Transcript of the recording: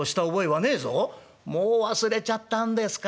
「もう忘れちゃったんですか？